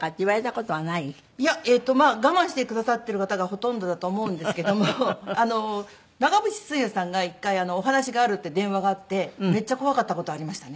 いや我慢してくださってる方がほとんどだと思うんですけども長渕剛さんが一回「お話がある」って電話があってめっちゃ怖かった事ありましたね。